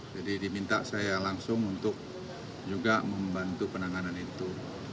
jadi diminta saya langsung untuk juga membantu penanganan itu